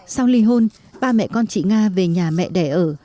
sau ly hôn ba mẹ con chị nga về nhà mẹ đẻ ở